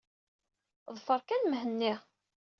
Ḍfer kan Mhenni.